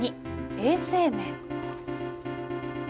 衛生面。